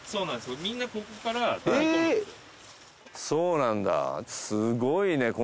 そうなんだすごいね。